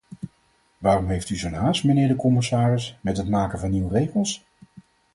Waarom heeft u zo’n haast, mijnheer de commissaris, met het maken van nieuwe regels?